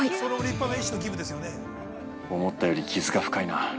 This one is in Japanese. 思ったより傷が深いな。